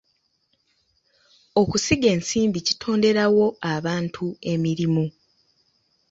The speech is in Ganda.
Okusiga ensimbi kitonderawo abantu emirimu.